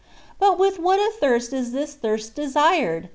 But with what a thirst is this thirst desired